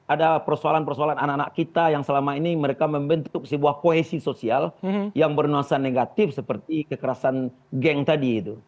ada persoalan persoalan anak anak kita yang selama ini mereka membentuk sebuah kohesi sosial yang bernuansa negatif seperti kekerasan geng tadi itu